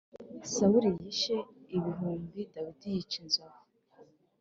bati ‘Sawuli yishe ibihumbi, Dawidi yica inzovu’?